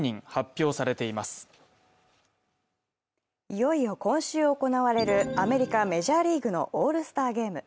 いよいよ今週行われるアメリカ・メジャーリーグのオールスターゲーム。